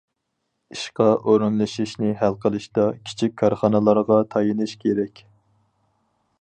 ئىشقا ئورۇنلىشىشنى ھەل قىلىشتا، كىچىك كارخانىلارغا تايىنىش كېرەك.